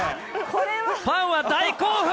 ファンは大興奮。